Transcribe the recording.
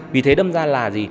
vì thế đâm ra là gì